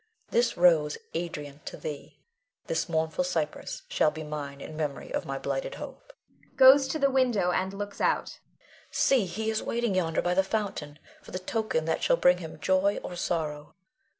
This rose, Adrian, to thee; this mournful cypress shall be mine in memory of my blighted hopes [goes to the window and looks out]. See! he is waiting yonder by the fountain for the token that shall bring him joy or sorrow.